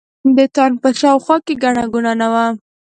د تانک په شا او خوا کې ګڼه ګوڼه نه وه.